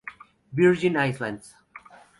Virgin Islands.